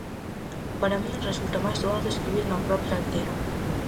Para min resulta máis doado escribir na propia aldea.